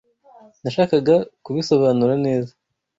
Nashakaga kubisobanura neza.